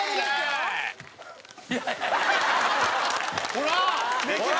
ほら！